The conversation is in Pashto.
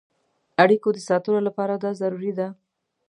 اړیکو د ساتلو لپاره دا ضروري ده.